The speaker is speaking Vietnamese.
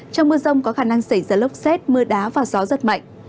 trong mưa rông có khả năng xảy ra lốc xét mưa đá và gió rất mạnh